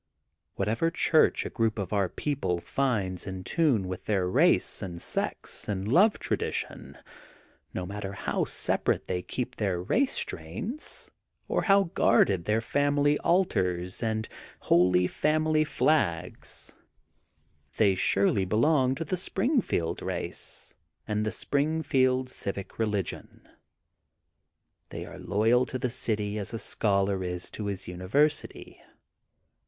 Whatever chnrch a gronp of onr people finds in tnne with their race and sex and love tradition, no matter how separate they keep their race strains, or how guarded their family altars and holy fam ily flags, they surely belong to the Spring \ f' THE GOLDEN BOOK OF SPRINGFIELD 285 field race and the Springfield Civic Religion. They are loyal to the city as a scholar is to his University.